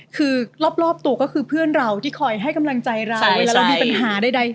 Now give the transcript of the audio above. คือรอบตัวก็คือเพื่อนเราที่คอยให้กำลังใจเราเวลาเรามีปัญหาใด